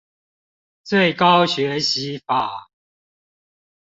最高學習法